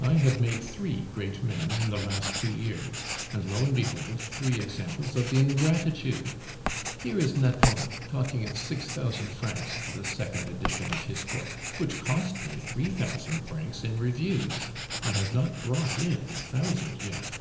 I have made three great men in the last two years; and lo and behold three examples of ingratitude! Here is Nathan talking of six thousand francs for the second edition of his book, which cost me three thousand francs in reviews, and has not brought in a thousand yet.